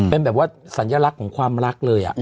เป็นแบบว่าสัญลักษณ์ของความรักเลย